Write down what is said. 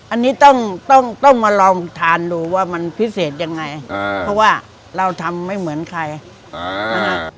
อันนี้ต้องต้องมาลองทานดูว่ามันพิเศษยังไงเพราะว่าเราทำไม่เหมือนใครนะฮะ